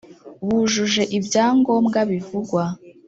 bujuje ibya ngombwa bivugwa